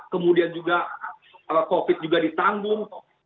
kemudian juga covid juga ditanggung